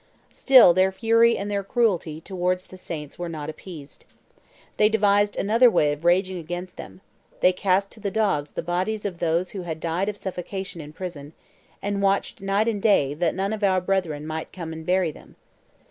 "Still their fury and their cruelty towards the saints were not appeased. They devised another way of raging against them; they cast to the dogs the bodies of those who had died of suffocation in prison, and watched night and day that none of our brethren might come and bury them.